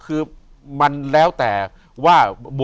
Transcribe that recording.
อยู่ที่แม่ศรีวิรัยิลครับ